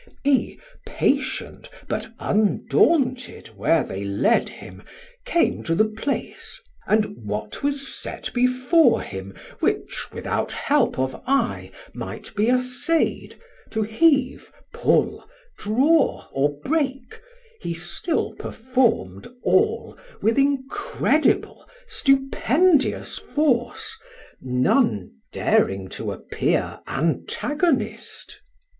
He patient but undaunted where they led him. Came to the place, and what was set before him Which without help of eye, might be assay'd, To heave, pull, draw, or break, he still perform'd All with incredible, stupendious force, None daring to appear Antagonist.